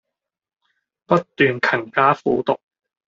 不斷勤加苦讀